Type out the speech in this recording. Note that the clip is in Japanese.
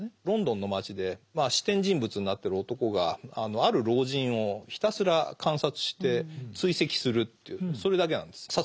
ロンドンの街でまあ視点人物になってる男がある老人をひたすら観察して追跡するというそれだけなんです。